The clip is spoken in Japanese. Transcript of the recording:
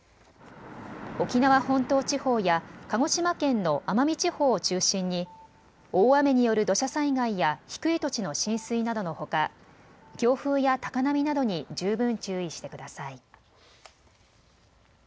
沖縄本島地方や鹿児島県の奄美地方を中心に大雨による土砂災害や低い土地の浸水などのほか強風や高波などに十分注意してください。